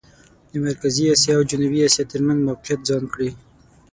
د مرکزي اسیا او جنوبي اسیا ترمېنځ موقعیت ځان کړي.